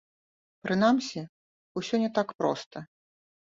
Прынамсі, усё не так проста.